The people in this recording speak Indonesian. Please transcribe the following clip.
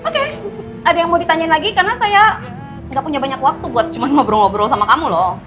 oke ada yang mau ditanyain lagi karena saya gak punya banyak waktu buat cuma ngobrol ngobrol sama kamu loh